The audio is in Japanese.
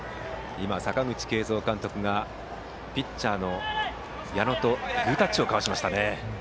今、阪口慶三監督がピッチャーの矢野とグータッチを交わしました。